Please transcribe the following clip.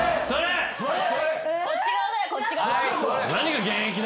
こっち側だよこっち側。